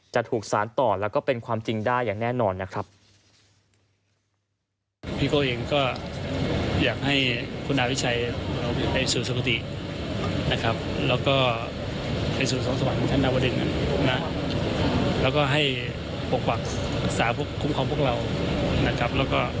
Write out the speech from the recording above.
จะถูกสารต่อแล้วก็เป็นความจริงได้อย่างแน่นอนนะครับ